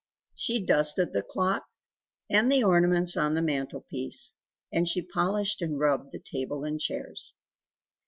She dusted the clock and the ornaments on the mantelpiece, and she polished and rubbed the tables and chairs.